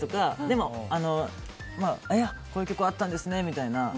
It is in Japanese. でも、こういう曲あったんですねみたいな。